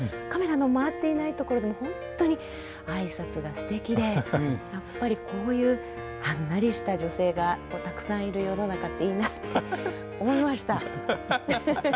カメラの回っていないところでも本当に挨拶がすてきでやっぱりこういうはんなりした女性がたくさんいる世の中っていいなって思いました。